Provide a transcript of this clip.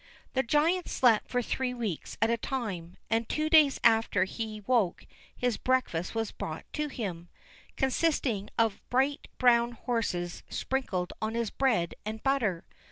The giant slept for three weeks at a time, and two days after he woke his breakfast was brought to him, consisting of bright brown horses sprinkled on his bread and butter.